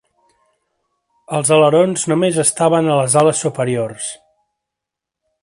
Els alerons només estaven a les ales superiors.